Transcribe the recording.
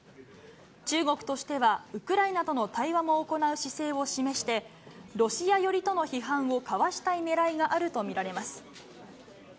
中国としては、ウクライナとの対話も行う姿勢を示して、ロシア寄りとの批判をかわしたいねらいがあると見られます。